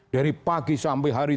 dari pagi sampai hari